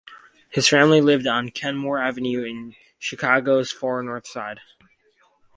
His family lived on Kenmore Avenue in Chicago's far north side.